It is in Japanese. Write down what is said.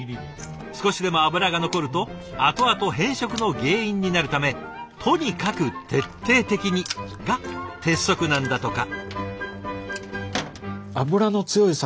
少しでも脂が残るとあとあと変色の原因になるため「とにかく徹底的に！」が鉄則なんだとか。